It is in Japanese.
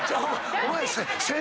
お前。